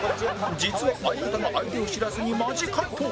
実は相方が相手を知らずにマジ回答